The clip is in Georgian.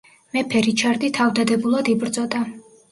მეფე რიჩარდი თავდადებულად იბრძოდა.